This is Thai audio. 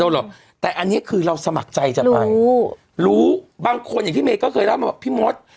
หรอกแต่อันนี้คือเราสมัครใจจะไปรู้บางคนอย่างที่เมย์ก็เคยเล่ามาว่าพี่มด